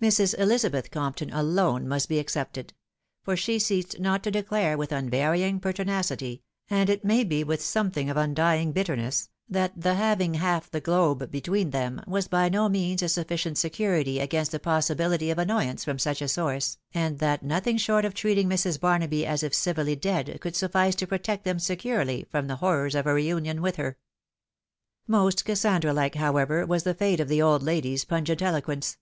Mrs. Elizabeth Compton alone must be excepted ; for she ceased not to declare with unvarying perti nacity, and it may be with something of undying bitterness, that the having half the globe between them, was by no means a suificient security against the possibility of annoyance from such a source, and that nothing short of treating Mrs. Barnaby as if civilly dead, could suffice to protect them securely from the horrors of a remiiou with her. Slost Cassandra Mke, however, was the fate of the old lady's pungent eloquence.